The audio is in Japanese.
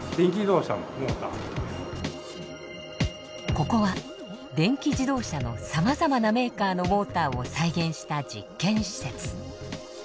ここは電気自動車のさまざまなメーカーのモーターを再現した実験施設。